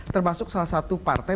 termasuk salah satu partai